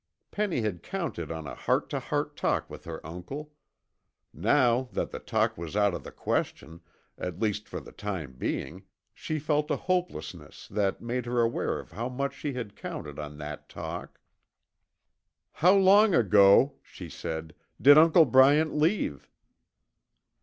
Penny had counted on a heart to heart talk with her uncle. Now that the talk was out of the question, at least for the time being, she felt a hopelessness that made her aware of how much she had counted on that talk. "How long ago," she said, "did Uncle Bryant leave?"